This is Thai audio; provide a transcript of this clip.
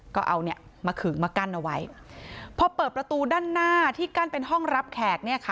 ก็เอาเนี่ยมาขึงมากั้นเอาไว้พอเปิดประตูด้านหน้าที่กั้นเป็นห้องรับแขกเนี่ยค่ะ